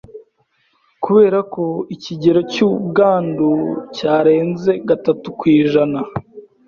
kubera ko ikigero cy'ubwandu cyarenze gatatu kw’ijana